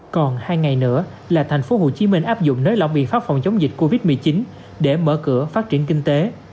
còn hai ngày nữa là tp hcm áp dụng nơi lỏng biện pháp phòng chống dịch covid một mươi chín để mở cửa phát triển kinh tế